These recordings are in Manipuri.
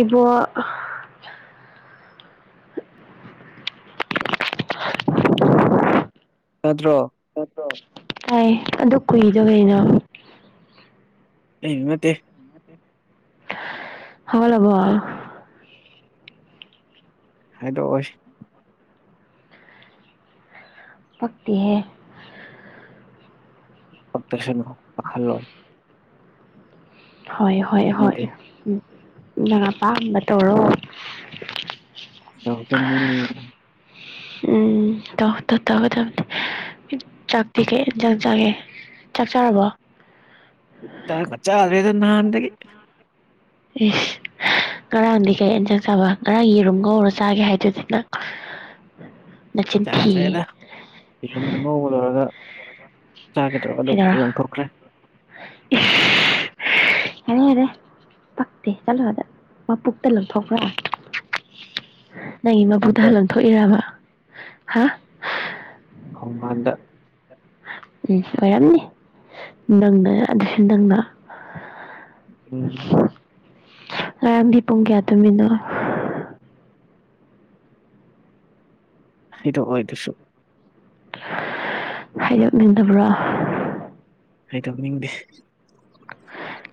ꯏꯕꯣ ꯅꯠꯇ꯭ꯔꯣ ꯇꯥꯏ ꯑꯗꯨ ꯀꯨꯏꯗ ꯀꯩꯅꯣ ꯑꯩ ꯅꯠꯇꯦ ꯍꯕꯣ ꯍꯕꯣ ꯍꯥꯏꯗꯣꯛꯑꯣ ꯇꯛꯛꯇ ꯐꯛꯇꯁꯅꯨ ꯄꯥꯍꯜꯂꯣꯏ ꯍꯣꯏ ꯍꯣꯏ ꯄꯛꯇ ꯍꯣꯏ ꯅꯠꯇꯦ ꯎꯝ ꯅ ꯑꯄꯥꯝꯕ ꯇꯧꯔꯣ ꯇ ꯀꯅꯤ ꯎꯝ ꯇꯧ ꯇꯧꯒ ꯇꯅꯤ ꯆꯥꯛꯇꯤ ꯀꯩꯟ ꯆꯪ ꯆꯒꯦ ꯆꯥꯛꯆꯔꯕꯣ ꯆ ꯈꯆ ꯀꯂꯦꯗꯅ ꯑꯗꯒꯤ ꯏꯁ ꯉꯔꯥꯡꯗꯤ ꯀꯩ ꯑꯟ ꯆꯛ ꯆꯥꯕ ꯉꯔꯥꯡ ꯌꯦꯔꯨꯝ ꯉꯧꯔꯣ ꯆꯥꯒꯦ ꯍꯥꯏꯗꯨꯗꯤ ꯅꯪ ꯅꯆꯤꯟ ꯊꯤꯌꯦ ꯆꯥꯗ꯭ꯔꯦꯗ ꯏꯔꯝꯗ ꯃꯧꯕ ꯂꯣꯏꯔꯒ ꯆꯥꯒꯗꯧꯔ ꯑꯗꯨꯝ ꯂꯪꯊꯣꯛꯈ꯭ꯔꯦ ꯎ ꯌꯥꯔꯦ ꯌꯥꯔꯦ ꯄꯛꯇꯦ ꯆꯠꯂꯣ ꯑꯗ ꯃ ꯄꯨꯛꯇ ꯂꯊꯣꯛꯈ꯭ꯔꯑꯣ ꯅꯪꯒꯤ ꯃꯕꯨꯛꯇ ꯃꯄꯥꯟꯗ ꯍꯜꯂ ꯊꯣꯛꯏꯔꯕ ꯍꯥ ꯈꯣꯡꯕꯥꯥꯟꯗ ꯎꯝ ꯑꯣꯏꯔꯝꯅꯤ ꯅꯪꯗ ꯑꯗꯨꯁꯨ ꯅꯪꯅ ꯎꯝ ꯔꯔꯝꯗꯤ ꯄꯨꯡ ꯀꯌꯥ ꯇꯃꯤꯅꯣ ꯍꯗ ꯑꯣꯏꯗꯨꯁꯨ ꯍꯥꯏꯗꯣꯛꯅꯤꯡꯗꯕ꯭ꯔꯣ ꯍ ꯇꯧꯅꯤꯡꯗꯦ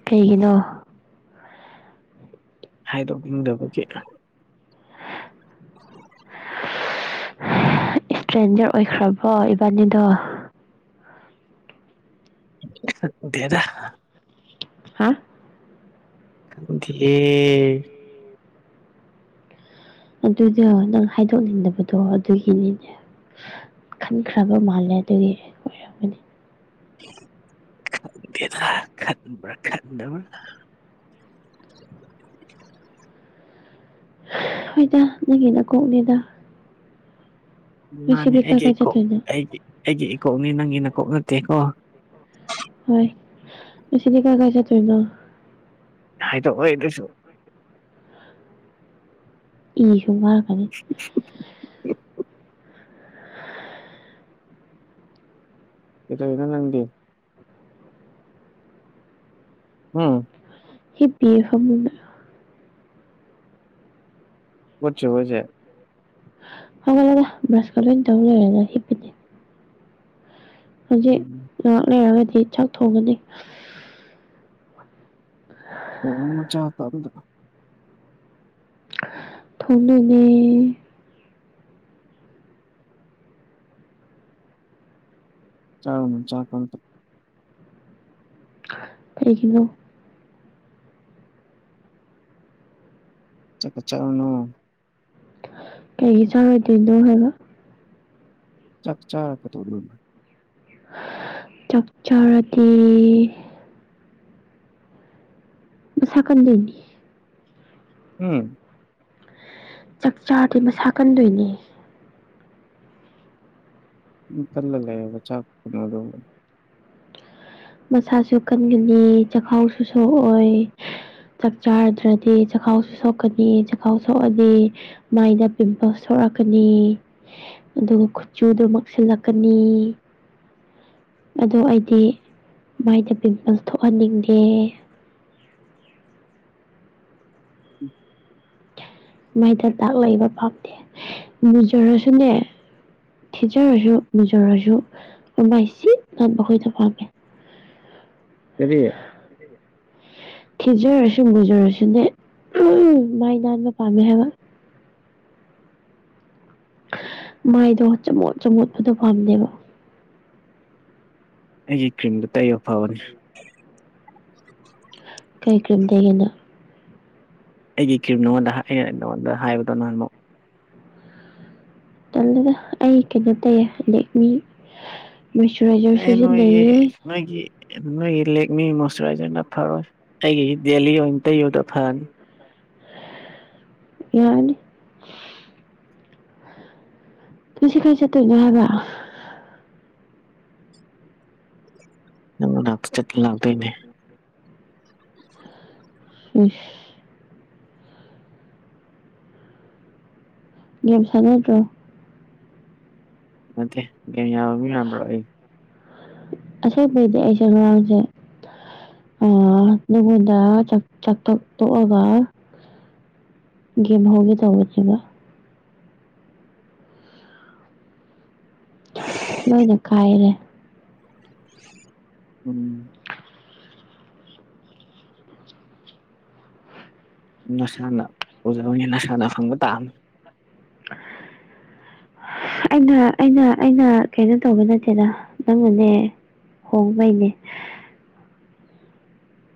ꯀꯩꯒꯤꯅꯣ ꯍꯥꯏꯗꯣꯛꯅꯤꯡꯗꯕꯒꯤ ꯏꯁꯇ꯭ꯔꯦꯟꯖꯔ ꯑꯣꯏꯈ꯭ꯔꯕꯣ ꯏꯕꯥꯅꯤꯗꯣ ꯗꯦꯗ ꯍꯥ ꯊꯦ ꯑꯗꯨꯗꯣ ꯅꯪ ꯍꯥꯏꯗꯣꯛꯅꯤꯡꯗꯕꯗꯣ ꯑꯗꯨꯒꯤꯅꯤꯅꯦ ꯈꯟꯈ꯭ꯔꯕ ꯃꯥꯜꯂꯦ ꯑꯗꯨꯒꯤ ꯑꯣꯏꯔꯝꯒꯅꯤ ꯈꯪꯗꯦꯗ ꯈꯟꯕꯔ ꯈꯟꯗꯕꯔ ꯍꯣꯏꯗ ꯅꯪꯒꯤꯅ ꯀꯣꯛꯅꯦꯗ ꯃꯥꯅꯦ ꯀꯥꯏ ꯑꯩꯒꯤ ꯀꯥꯏ ꯏꯀꯣꯛ ꯆꯠꯇꯣꯏꯅꯣ ꯑꯩꯒꯤ ꯑꯩꯒꯤ ꯏꯀꯣꯛꯅꯤ ꯅꯪꯒꯤ ꯅꯀꯣꯛ ꯅꯠꯇꯦꯀꯣ ꯍꯣꯏ ꯃꯁꯤꯗꯤ ꯀꯥꯏ ꯀꯥꯏ ꯆꯠꯇꯣꯏꯅꯣ ꯍꯥꯏꯗꯣꯛꯑꯣ ꯑꯗꯨꯁꯨ ꯏꯁꯨꯝ ꯀꯥꯔꯛꯀꯅꯤ ꯎ ꯀꯩꯗꯧꯏꯅꯣ ꯅꯪꯗꯤ ꯎꯝ ꯍꯤ ꯄꯤꯌꯦ ꯐꯃꯨꯡꯗ ꯍꯧꯒꯠꯇ꯭ꯔꯤꯕꯣ ꯍꯥꯢꯖꯦ ꯍꯧꯒꯠꯂꯦꯗ ꯕ꯭ꯔꯁꯀ ꯂꯣꯏꯅ ꯇꯧꯅꯔꯦꯗ ꯍꯤꯞꯄꯅꯦ ꯍꯧꯖꯤꯛ ꯎꯝ ꯉꯥꯏꯍꯥꯛ ꯂꯩꯔꯒꯗꯤ ꯁꯥꯛ ꯊꯣꯡꯒꯅꯤ ꯎꯝ ꯍ ꯆ ꯀꯗ ꯊꯣꯡꯅꯅꯦ ꯆꯥꯔꯨꯅꯨ ꯆꯥꯛꯀ ꯑꯝꯇ ꯑꯩꯒꯤꯅꯣ ꯆꯀ ꯆꯔꯨꯅꯣ ꯀꯩꯒꯤ ꯆꯥꯔꯣꯏꯗꯣꯢꯅꯣ ꯍꯥꯏꯕ ꯆꯥꯛ ꯆꯥꯛ ꯀ ꯇꯧ ꯆꯥꯛꯆꯔꯗꯤ ꯏꯁꯥꯀꯟꯗꯣꯏꯅꯦ ꯎꯝ ꯆꯥꯛꯆꯥꯥꯗꯤ ꯃꯁꯥ ꯀꯟꯗꯣꯏꯅꯦ ꯎ ꯀꯜꯂꯂ ꯆꯥ ꯃꯁꯥꯁꯨ ꯀꯟꯒꯅꯤ ꯆꯈꯥꯎꯁꯨ ꯁꯣꯛꯑꯣꯢ ꯆꯥꯛ ꯆꯥꯔꯗ꯭ꯔꯗꯤ ꯆꯥꯛꯈꯥꯎꯁꯨ ꯁꯣꯛꯀꯅꯤ ꯆꯈꯥꯎ ꯁꯣꯛꯑꯅꯤ ꯃꯥꯏꯗ ꯄꯤꯝꯄꯜꯁ ꯊꯣꯛꯣꯔꯛꯀꯅꯤ ꯑꯗꯨꯒ ꯈꯨꯆꯨꯗꯨ ꯃꯛꯁꯤꯜꯂꯛꯀꯅꯤ ꯑꯗꯣ ꯑꯩꯗꯤ ꯃꯥꯏꯗ ꯄꯤꯝꯄꯜꯁ ꯊꯣꯛꯍꯟꯅꯤꯡꯗꯦ ꯎꯝ ꯃꯥꯏꯇ ꯇꯥꯛ ꯂꯩꯕ ꯄꯥꯝꯗꯦ ꯃꯨꯖꯔꯁꯨꯅꯦ ꯊꯤꯖꯔꯁꯨ ꯃꯨꯖꯔꯁꯨ ꯃꯃ ꯁꯤ ꯅꯕ ꯑꯩꯈꯣꯏꯅ ꯄꯥꯝꯃꯦ ꯀꯔꯤ [unintelligible] ꯊꯤꯖꯔꯁꯨ ꯂꯨꯖꯔꯁꯨꯅꯦ ꯃꯥꯏ ꯅꯥꯟꯕ ꯄꯥꯝꯃꯦ ꯍꯥꯏꯕ ꯃꯥꯏꯗꯣ ꯆꯃꯣꯠ ꯆꯃꯣꯠꯄꯗꯣ ꯄꯥꯝꯗꯦꯕ ꯑꯩꯒꯤ ꯀ꯭ꯔꯤꯝꯗꯨ ꯇꯩꯕ ꯐꯕꯅꯦ ꯀꯩ ꯀꯔꯤꯝꯗ ꯌꯦꯥꯥꯥꯅ ꯑꯩꯒꯤ ꯀ꯭ꯔꯤꯝ ꯅꯉꯣꯟꯗ ꯑꯩꯅ ꯅꯉꯣꯟꯗ ꯍꯥꯏꯕꯗꯣ ꯅꯍꯥꯟꯃ ꯇꯜꯂꯒ ꯑꯩ ꯀꯩꯅꯣ ꯇꯧꯌꯦꯗꯦꯛꯃꯤ ꯃꯣꯏꯆꯔꯥꯏꯖꯔ ꯑꯦ ꯅꯣꯏꯒꯤ ꯁꯤꯖꯤꯟꯅꯩꯌꯦ ꯅꯣꯏꯒꯤ ꯅꯣꯏꯒꯤ ꯂꯦꯛ ꯃꯤ ꯃꯣꯏꯆꯔꯥꯏꯖꯔꯅ ꯐꯔꯣꯏ ꯑꯩꯒꯤ ꯗꯦꯜꯂꯤ ꯑꯣꯏꯅ ꯏꯇ ꯌꯣꯗ ꯐꯅꯤ ꯌꯥꯅꯤ ꯅꯁꯤ ꯀꯔꯤ ꯆꯠꯇꯣꯏꯅꯣ ꯍꯥꯏꯕ ꯅꯪ ꯂꯥꯛꯇ ꯆꯠ ꯂꯥꯛꯇꯣꯏꯅꯦ ꯑꯁ ꯒꯦꯝ ꯁꯅꯗ꯭ꯔꯣ ꯑꯠꯇ ꯀ ꯌꯥ ꯃꯤ ꯌꯥꯝꯕ꯭ꯔ ꯑꯩ ꯑꯁꯣꯛꯄꯗꯤ ꯑꯩꯁꯦ ꯋꯥꯡꯁꯦ ꯑ ꯑꯗꯨꯕꯨꯗ ꯆꯥꯛꯊꯛꯇꯣꯛꯑꯒ [unintelligible] ꯂꯣꯏꯅ ꯀꯥꯏꯔꯦ ꯎꯝ ꯅꯁꯥꯅ ꯑꯣꯏꯖꯕꯅꯤꯅ ꯅꯁꯥꯅ ꯐꯪꯕ ꯇꯥꯕꯅꯤ [inaudible] ꯑꯩꯅ ꯑꯩꯅ ꯑꯩꯅ ꯀꯩꯅꯣ ꯇꯧꯕ ꯅꯠꯇꯦꯗ ꯅꯪꯅꯅꯦ ꯍꯣꯡꯕꯩꯅꯦ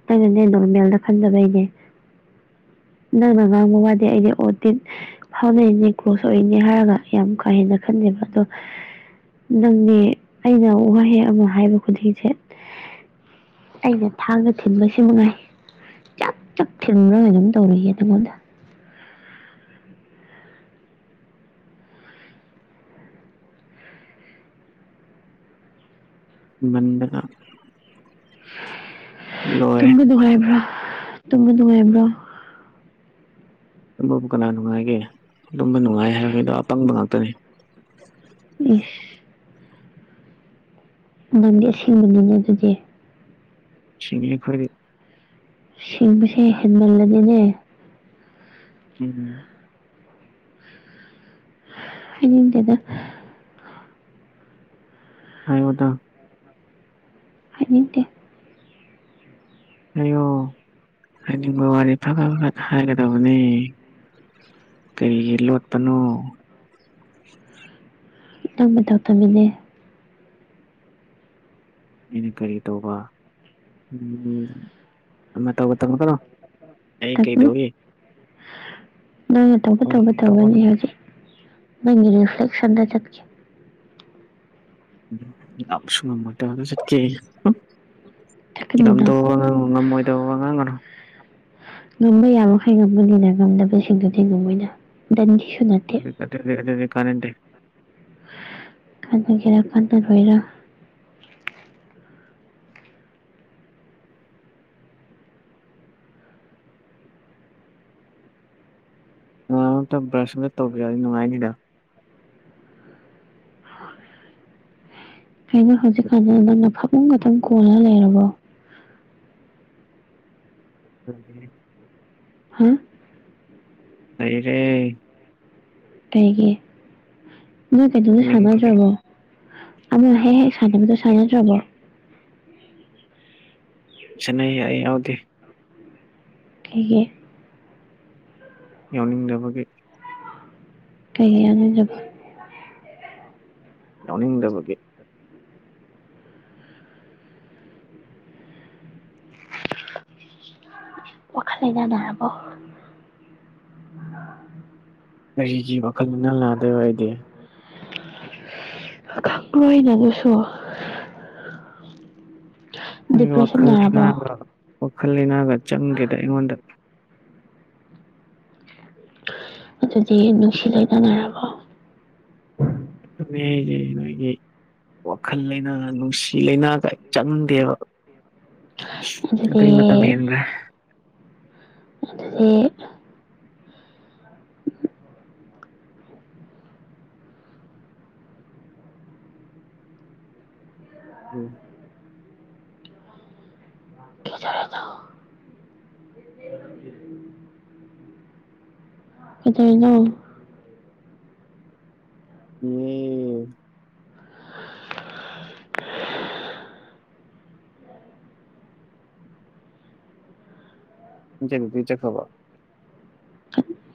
ꯅꯪꯅꯅꯦ ꯅꯣꯔꯃꯦꯜꯗ ꯈꯟꯕꯩꯅꯦ ꯅꯪꯅ ꯉꯥꯡꯕ ꯋꯥꯗꯤ ꯑꯩꯗꯤ ꯑꯣꯇꯤꯟ ꯍꯥꯎꯅꯩꯅꯦ ꯀ꯭ꯂꯣꯁ ꯑꯣꯏꯅꯦ ꯍꯥꯏꯔꯒ ꯌꯥꯝ ꯀꯥ ꯍꯦꯟꯅ ꯈꯟꯅꯦꯕ ꯑꯗꯣ ꯅꯪꯅꯦ ꯑꯩꯅ ꯋꯥꯍꯩ ꯑꯃ ꯍꯥꯏꯕ ꯈꯨꯗꯤꯡꯁꯦ ꯑꯩꯕꯨ ꯐꯥꯒꯅꯨ ꯊꯤꯟꯕꯁꯤ ꯅꯨꯡꯉꯥꯏ ꯆꯛ ꯆꯛ ꯊꯤꯟꯒ ꯑꯗꯨꯝ ꯇꯧꯏꯍꯦ ꯅꯉꯣꯟꯗ [unintelligible] ꯂꯣꯏꯔꯦ ꯇꯨꯝꯕ ꯅꯨꯡꯉꯥꯏꯕ꯭ꯔꯥ ꯇꯨꯝꯕ ꯅꯨꯡꯉꯥꯏꯕ꯭ꯔꯣ ꯇꯨꯝꯕꯕꯨ ꯀꯅꯥ ꯅꯨꯡꯉꯥꯏꯒꯦ ꯇꯨꯝꯕ ꯅꯨꯡꯉꯥꯏ ꯍꯥꯏꯕ ꯃꯤꯗꯣ ꯑꯄꯪꯕ ꯉꯥꯛꯇꯅꯤ ꯏꯁ ꯅꯪ ꯂꯣꯏ ꯁꯤꯟꯂꯣꯅꯦ ꯑꯗꯨꯗꯤ ꯁꯤꯡꯉꯦ ꯈꯣꯏꯗꯤ ꯁꯤꯡꯕꯁꯦ ꯍꯦꯟꯃꯜꯂꯗꯤꯅꯦ ꯎꯝ ꯍꯥꯏꯅꯤꯡꯗꯦꯗ ꯍꯥꯏꯑꯣꯗ ꯍꯥꯏꯅꯤꯡꯇꯦ ꯍꯥꯏꯌꯣ ꯍꯥꯏꯅꯤꯡꯕ ꯋꯥꯗꯤ ꯐꯠ ꯐꯠ ꯐꯠ ꯍꯥꯏꯒꯗꯕꯅꯦ ꯀꯩꯒꯤ ꯂꯣꯠꯄꯅꯣ ꯅꯪ ꯅꯇꯧ ꯇꯃꯤꯅꯦ ꯑꯩꯅ ꯀꯔꯤ ꯇꯧꯕ ꯃꯤ ꯃꯇꯧꯒ ꯇꯃꯛꯀꯅꯣ ꯇꯧꯒꯅꯨ [inaudible] ꯅꯪꯒꯤ ꯔꯤꯐ꯭ꯂꯦꯛꯁꯟꯗ ꯆꯠꯀꯦ [inaudible] ꯆꯠꯀꯦ ꯑꯩꯁꯨ ꯎꯝ ꯆꯠꯀꯅꯤꯅ [inaudible] ꯉꯝꯃꯣꯏꯗꯧꯕ ꯋꯥ ꯉꯥꯡꯒꯅꯨ ꯉꯝꯕ ꯌꯥꯃ ꯃꯈꯩ ꯉꯝꯕꯅꯤꯅ ꯉꯝꯗꯕꯁꯤꯡꯗꯨꯗꯤ ꯉꯃꯣꯏꯅ ꯗꯟꯗꯤꯁꯨ ꯅꯠꯇꯦ ꯑꯗꯨꯅꯦ ꯑꯗꯨꯅꯦ ꯈꯠꯅꯅꯤꯡꯇꯦ ꯍꯥꯏꯕꯤꯒꯦ ꯈꯪꯗꯕꯒꯤꯔꯣ ꯀꯅꯥꯅꯣꯝꯇ ꯕ꯭ꯔꯁ ꯃꯨꯛ ꯇꯧꯕꯤꯔꯗꯤ ꯅꯨꯡꯉꯥꯏꯅꯤꯗ ꯀꯩꯅꯣ ꯍꯧꯖꯤꯛꯀꯥꯟꯖꯦ ꯅꯪꯅ ꯐꯃꯨꯡ ꯈꯛꯇꯪ ꯀꯣꯟꯂ ꯂꯩꯔꯕꯣ ꯀꯔꯤ ꯀꯔꯤ ꯍꯥ ꯂꯩꯔꯦ ꯀꯩꯒꯤ ꯅꯣꯏ ꯀꯗꯧꯁꯨ ꯍꯤꯡꯅꯤꯡꯕꯒꯤ ꯁꯥꯟꯅꯗꯔꯕꯣ ꯑꯃ ꯍꯦꯛ ꯍꯦꯛ ꯁꯥꯟꯅꯕꯗꯣ ꯁꯥꯟꯅꯗ꯭ꯔꯕꯣ ꯁꯥꯅꯩꯌꯦ ꯑꯩ ꯌꯥꯎꯗꯦ ꯀꯩꯒꯤ ꯌꯥꯎꯅꯤꯡꯗꯕꯒꯤ ꯀꯩꯒꯤ ꯌꯥꯎꯅꯤꯡꯗ꯭ꯔꯤꯕ ꯌꯥꯎꯅꯤꯡꯗꯕꯒꯤ ꯋꯥꯈꯜ ꯂꯩꯅ ꯅꯥꯔꯕꯣ ꯀꯔꯤꯒꯤ ꯋꯥꯈꯜ ꯂꯩꯅꯥ ꯅꯥꯗꯣꯏꯕ ꯑꯩꯗꯤ ꯈꯪꯕ꯭ꯔꯣ ꯑꯩꯅ ꯑꯗꯨꯁꯨ ꯑꯩ ꯗꯤꯄ꯭ꯔꯦꯁꯟ ꯋꯥꯈꯜ ꯅꯥꯔꯕꯣ ꯂꯩꯅꯥꯒ ꯋꯥꯈꯜ ꯂꯩꯅꯥꯒ ꯆꯪꯗꯦꯗ ꯑꯩꯉꯣꯟꯗ ꯑꯗꯨꯗꯤ ꯅꯨꯡꯁꯤ ꯂꯩꯅ ꯅꯥꯔꯕꯣ [unintelligible] ꯋꯥꯈꯜ ꯂꯩꯅꯥꯒ ꯅꯨꯡꯁꯤ ꯂꯩꯅꯥꯒ ꯆꯪꯗꯦꯕꯥ ꯑꯗꯨꯗꯤ ꯑꯗꯨꯏ ꯃꯇꯝ ꯍꯦꯟꯒ꯭ꯔꯦ ꯑꯣ ꯎꯝ [unintelligible] ꯀꯩꯗꯩꯅꯣ [unintelligible] ꯅꯣꯏ ꯆꯦ ꯃꯤꯇꯤꯡ ꯆꯠꯈ꯭ꯔꯕꯣ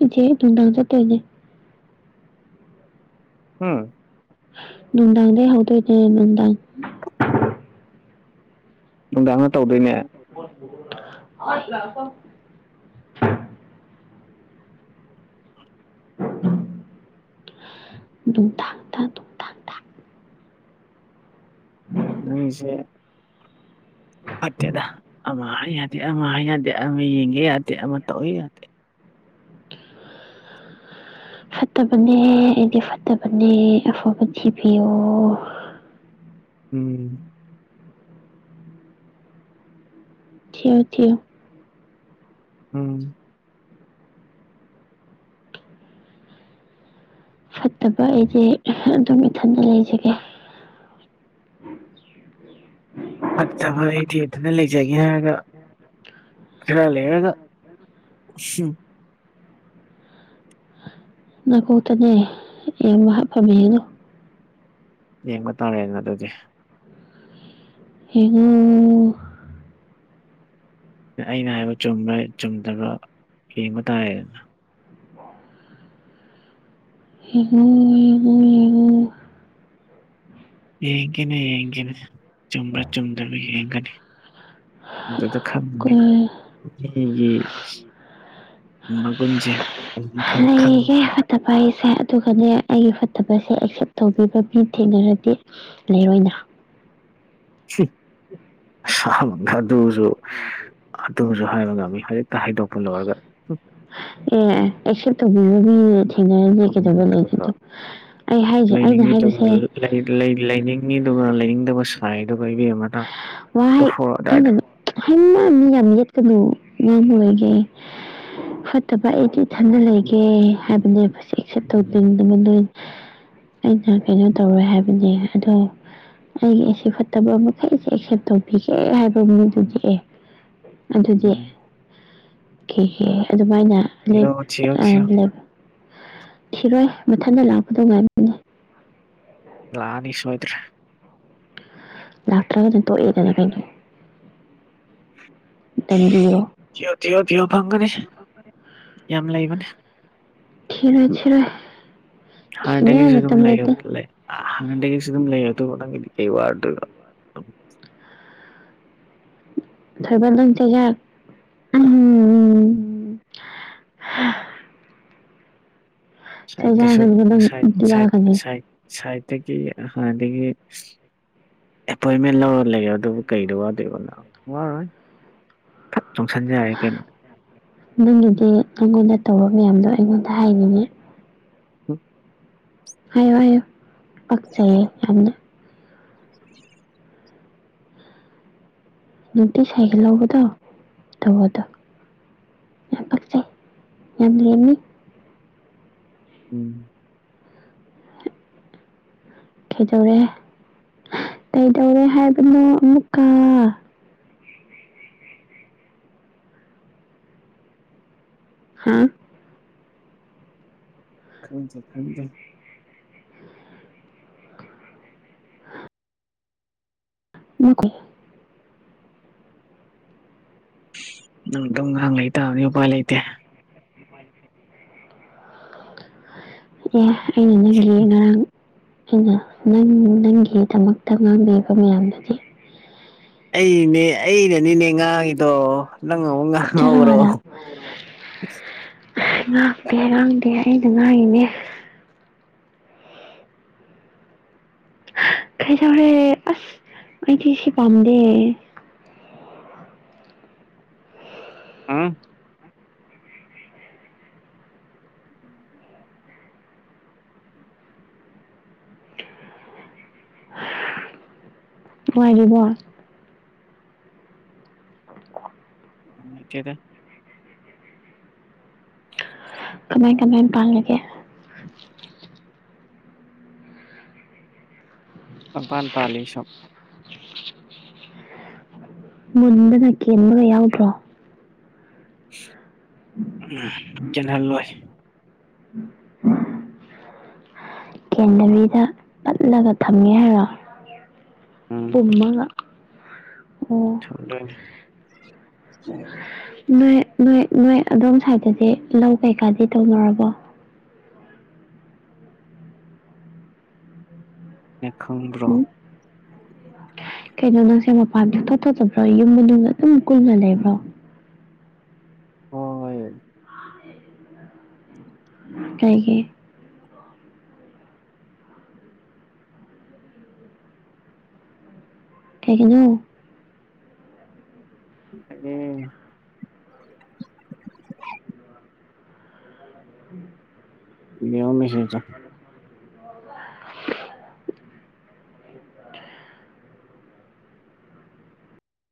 [unintelligible] ꯅꯨꯡꯗꯥꯥꯡ ꯆꯠꯇꯣꯏꯅꯦ ꯍꯨꯝ ꯅꯨꯡꯗꯥꯗꯩ ꯍꯧꯗꯣꯏꯅꯦ ꯅꯨꯡꯗꯥꯡ ꯅꯨꯡꯗꯥꯡꯗ ꯇꯧꯗꯣꯏꯅꯦ [unintelligible] [unintelligible] [inaudible] ꯅꯨꯡꯗꯥꯡꯗꯥ ꯅꯨꯡ ꯅꯪꯁꯦ ꯐꯠꯇꯦꯗ ꯑꯃ ꯍꯥꯏ ꯌꯥꯗꯦ ꯑꯃ ꯍꯥꯏ ꯌꯥꯗꯦ ꯑꯃ ꯌꯦꯡꯉꯦ ꯌꯥꯗꯦ ꯑꯃ ꯇꯧꯏ ꯌꯥꯗꯦ ꯐꯠꯇꯕꯅꯦ ꯑꯩꯗꯤ ꯐꯠꯇꯕꯅꯦ ꯑꯐꯕ ꯊꯤꯕꯤꯌꯣ ꯎꯝ ꯊꯤꯌꯣ ꯊꯤꯌꯣ ꯎꯝ ꯐꯠꯇꯕ ꯑꯩꯗꯤ ꯑꯗꯨꯝ ꯏꯊꯟꯗ ꯂꯩꯖꯒꯦ ꯐꯠꯇꯕ ꯑꯩꯗꯤ ꯇꯨꯃꯤꯟ ꯂꯩꯖꯒꯦ ꯍꯥꯏꯔꯒ ꯈꯔ ꯂꯩꯔꯒ [unintelligible] ꯅꯀꯣꯛꯇꯅꯦ ꯌꯦꯔꯨꯝ ꯍꯥꯞꯄꯥꯕ ꯌꯦꯡꯉꯣ ꯌꯦꯡꯕ ꯇꯥꯔꯦꯅ ꯑꯗꯨꯗꯤ ꯌꯦꯡꯉꯣ ꯑꯩꯅ ꯍꯥꯏꯕ ꯆꯨꯝꯕ ꯆꯨꯝꯗꯕꯔꯥ ꯌꯦꯡꯕ ꯇꯥꯔꯦꯗꯅ ꯌꯦꯡꯉꯣ ꯌꯦꯡꯉꯣ ꯌꯦꯡꯉꯣ ꯌꯦꯡꯒꯦꯅꯦ ꯌꯦꯡꯒꯦꯅꯦ ꯆꯨꯝꯕ꯭ꯔꯥ ꯆꯨꯝꯗꯕ꯭ꯔꯥ ꯌꯦꯡꯒꯅꯤ ꯑꯗꯨꯗ ꯈꯪꯒꯅꯤ ꯀꯣꯏ ꯑꯩꯒꯤ ꯃꯒꯨꯟꯁꯦ ꯑꯩꯗꯤ ꯈꯪ ꯂꯩꯒꯦ ꯈꯪꯗꯦ [unintelligible] ꯑꯗꯨꯒꯅꯦ ꯑꯩꯒꯤ ꯐꯠꯇꯕꯁꯦ ꯑꯦꯛꯁꯦꯞ ꯇꯧꯕꯤꯕ ꯃꯤ ꯊꯦꯡꯅꯔꯗꯤ ꯂꯩꯔꯣꯏꯅ [inaudible] ꯑꯁ ꯑ ꯑꯗꯨꯁꯨ ꯑꯗꯨꯁꯨ ꯍꯥꯏꯕ ꯉꯝꯃꯤ ꯍꯧꯖꯤꯛꯇ ꯍꯥꯏꯗꯣꯛꯄ ꯂꯣꯏꯔꯒ ꯑꯦ ꯑꯦꯛꯁꯦꯞ ꯇꯧꯕꯤꯔꯗꯤ ꯊꯦꯡꯅꯔꯗꯤ ꯀꯩꯗꯧꯕꯩ ꯑꯗꯨꯒ ꯂꯩꯗꯣꯏꯅꯣ ꯑꯩ ꯍꯥꯏꯁꯦ ꯑꯩꯅ ꯂꯩꯅꯤꯡꯉꯤꯗꯨꯒ ꯍꯥꯏꯕꯁꯦ ꯂꯩ ꯂꯩ ꯂꯩꯅꯤꯡꯉꯤꯗꯨꯒ ꯂꯩꯅꯤꯡꯗꯕ ꯁꯥꯏꯗꯨꯒ ꯏꯕꯦꯝꯃꯥ ꯋꯥꯍꯩ ꯑꯩꯅ ꯍꯩꯃꯥ ꯃꯤ ꯌꯥꯝ ꯌꯦꯠꯀꯅꯨ ꯉꯥꯡꯕ ꯑꯣꯏꯒꯦ ꯐꯠꯇꯕ ꯑꯩꯗꯤ ꯏꯊꯟꯗ ꯂꯩꯒꯦ ꯍꯥꯏꯕꯅꯦꯕ ꯑꯦꯛꯁꯦꯞ ꯎꯝ ꯇꯧꯅꯤꯗꯕ ꯅꯣꯏ ꯑꯩꯅ ꯀꯩꯅꯣ ꯇꯧꯔꯣꯏ ꯍꯥꯏꯕꯅꯦ ꯑꯗꯣ ꯑꯩꯒꯤ ꯑꯁꯤ ꯐꯠꯇꯕ ꯑꯃꯨꯛ ꯑꯩꯁꯦ ꯑꯦꯛꯁꯦꯞ ꯇꯧꯕꯤꯒꯦ ꯍꯥꯏꯕ ꯃꯤꯗꯨꯗꯤ ꯑꯦ ꯑꯗꯨꯗꯤ ꯎꯝ ꯀꯩꯒꯤ ꯑꯗꯨꯃꯥꯏꯅ ꯊꯤꯌꯣ ꯂꯦꯞ ꯊꯤꯌꯣ ꯑ ꯊꯤꯌꯣ ꯂꯦꯞ ꯊꯤꯔꯣꯏ ꯃꯊꯟꯇ ꯂꯥꯛꯄꯗꯣ ꯉꯥꯏꯅꯤꯅꯦ ꯂꯥꯛꯑꯅꯤ ꯁꯣꯏꯗ꯭ꯔꯦ ꯗꯥꯛꯇ꯭ꯔꯒ ꯑꯗꯨꯝ ꯇꯣꯛꯑꯦꯗꯅ ꯀꯩꯅꯣ ꯇꯟꯂꯤꯔꯣ ꯊꯤꯌꯣ ꯊꯤꯌꯣ ꯊꯤꯌꯣ ꯐꯪꯒꯅꯤ ꯌꯥꯝ ꯂꯩꯕꯅꯦ ꯊꯤꯔꯣꯏ ꯊꯤꯔꯣꯏ ꯊꯤꯅꯤꯡꯉꯥꯏ ꯍꯥꯟꯅꯗꯒꯤꯁꯨ ꯑꯗꯨꯝ ꯃꯇꯝ ꯂꯩ ꯂꯩꯇꯦ ꯍꯥꯏꯕꯗꯨꯣ ꯂꯩ ꯍꯥꯟꯅꯗꯒꯤꯁꯨ ꯑꯗꯨꯝ ꯂꯩ ꯑꯗꯨ ꯅꯪꯒꯤꯗꯤ ꯀꯩ ꯋꯥꯔꯗꯣꯏꯔꯣ ꯊꯣꯏꯕ ꯂ ꯆꯖꯥꯛꯝ ꯎꯝ ꯁꯥꯏ ꯆꯩꯔꯥꯛꯒꯅꯤ ꯅꯪ ꯁ ꯆꯩꯔꯥꯛꯒꯅꯤ ꯁꯥꯏ ꯁꯍꯤꯇ ꯍꯗꯒꯤꯈꯤ ꯑꯦꯄꯣꯏꯟꯃꯦꯟ ꯂꯧꯔꯒ ꯂꯩꯔꯦ ꯑꯗꯨꯕꯨ ꯀꯩꯗꯣ ꯋꯥꯗꯣꯏꯕꯅꯣ ꯋꯥꯔꯣꯏ ꯈꯠ ꯆꯣꯡꯁꯟꯖꯔꯦ ꯀꯩꯅꯣ ꯅꯪꯒꯤꯗꯤ ꯅꯪꯉꯣꯟꯗ ꯇꯧꯕ ꯃꯌꯥꯝꯗꯣ ꯑꯩꯉꯣꯟꯗ ꯍꯥꯏꯅꯤꯡꯉ ꯍ ꯍꯥꯏꯌꯣ ꯍꯥꯏꯌꯣ ꯄꯥꯛꯆꯩꯌꯦ ꯌꯥꯝꯅ [inaudible] ꯅꯨꯡꯇꯤ ꯁꯥꯏꯀꯜ ꯂꯧꯕꯗꯣ ꯇꯧꯕꯗꯣ ꯌꯥꯝ ꯄꯥꯛꯆꯩ ꯌꯥꯝ ꯂꯦꯝꯅꯤ ꯎꯝ ꯀꯩꯗꯧꯔꯦ ꯀꯩꯗꯧꯔꯦ ꯍꯥꯏꯕꯅꯣ ꯑꯃꯨꯛꯀ ꯍꯥꯥ ꯈꯪꯘꯦ ꯈꯪꯘꯦ ꯕꯀꯜ ꯅꯪ ꯑꯗꯨꯝ ꯉꯥꯡ ꯂꯩꯇꯥꯥꯕꯗꯤ ꯎꯄꯥꯏ ꯂꯩꯇꯦ ꯑꯦ ꯑꯩꯅ ꯅꯪꯒꯤ ꯉꯔꯥꯡ ꯑꯩꯅ ꯅꯪ ꯅꯪꯒꯤꯗꯃꯛꯇ ꯉꯥꯡꯕꯤꯔꯤꯕ ꯃꯌꯥꯝꯗꯨꯗꯤ ꯑꯩꯅꯦ ꯑꯩꯅꯅꯤꯅꯦ ꯉꯥꯒꯤꯗꯣ ꯅꯪꯉ ꯉꯥ ꯆꯠꯂꯣ ꯑꯗ ꯉꯥꯡꯗꯦ ꯉꯥꯡꯗꯦ ꯑꯩꯅ ꯉꯥꯡꯉꯤꯅꯦ ꯈꯩꯖ ꯍꯔꯦ ꯑꯁ ꯑꯩꯛꯇꯁꯤ ꯄꯝ ꯗꯦ ꯑ [unintelligible] ꯎꯝ ꯑꯣꯏꯉꯕ [inaudible] ꯑꯗꯨꯉꯥꯏꯇꯦꯗ ꯀꯃꯥꯏ ꯀꯃꯥꯏ ꯇꯥꯡꯂꯒꯦ ꯛꯕꯥꯟ ꯄꯥꯂꯁꯝ ꯃꯨꯟꯗꯅ ꯀꯦꯟꯕꯒ ꯌꯥꯎꯗ꯭ꯔꯣ ꯎꯝ ꯆꯦꯟꯍꯜꯂꯣꯏ ꯎ ꯀꯦꯟꯗꯕꯤꯗ ꯄꯠꯂꯒ ꯊꯝꯒꯦ ꯍꯥꯏꯔꯣ ꯎꯝ ꯄꯨꯝꯃꯒ ꯑꯣ ꯊꯗꯣꯏꯅ [unintelligible] [unintelligible] [unintelligible] ꯅꯣꯏ ꯅꯣꯏ ꯅꯣꯏ ꯑꯗꯣꯝ ꯁ꯭ꯋꯥꯏꯗꯁ ꯂꯧ ꯀꯩꯀꯥꯗꯤ ꯇꯧꯅꯔꯕꯣ ꯈꯪꯕ꯭ꯔꯣ ꯎꯝ ꯀꯩꯅꯣ ꯅꯪꯁꯦ ꯃꯄꯥꯟꯗ ꯊꯣꯊꯗꯕ꯭ꯔꯣ ꯌꯨꯝ ꯃꯅꯨꯡꯗ ꯑꯗꯨꯝ ꯀꯨꯜꯂ ꯂꯩꯕ꯭ꯔꯣ ꯑꯣ ꯍꯣꯏ ꯀꯥꯏꯒꯤꯦ ꯊꯩꯒꯅꯣ ꯎꯝ ꯎꯝ ꯌꯦꯡꯉꯣ ꯃꯦꯁꯦꯁ ꯆꯪ [unintelligible] [unintelligible]